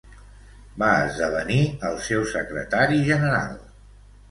Va esdevenir el seu secretari general.